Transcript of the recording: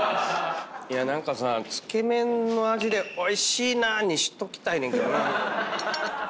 何かさつけ麺の味でおいしいなにしときたいねんけどな。